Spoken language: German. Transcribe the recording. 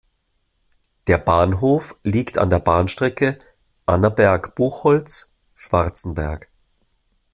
Der Bahnhof liegt an der Bahnstrecke Annaberg-Buchholz–Schwarzenberg.